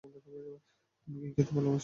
তুমি কী খেতে ভালোবাস অমূল্য?